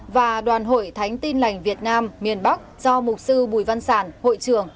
và đoàn hội thánh tin lành việt nam miền bắc do mục sư bùi văn sản hội trưởng